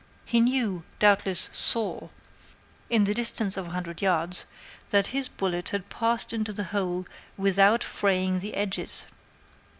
He knew doubtless saw at the distance of a hundred yards that his bullet had passed into the hole without fraying the edges.